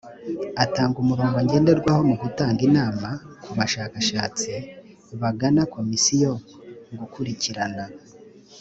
atanga umurongo ngenderwaho mu gutanga inama ku bashakashatsi bagana komisiyo gukurikirana